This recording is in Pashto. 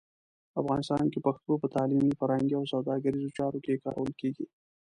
افغانستان کې پښتو په تعلیمي، فرهنګي او سوداګریزو چارو کې کارول کېږي.